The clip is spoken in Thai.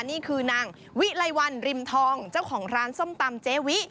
นี่คือนางวิไลวันริมทองเจ้าของร้านส้มตำเจวิ